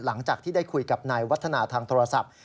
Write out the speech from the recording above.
หลังจากที่ได้คุยกับนายวัฒนาทางโทรศัพท์